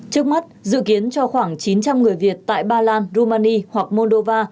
trước mắt dự kiến cho khoảng chín trăm linh người việt tại ba lan rumani hoặc moldova